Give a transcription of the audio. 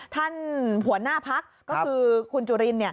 ท่านหัวหน้าพักก็คือคุณจุลิน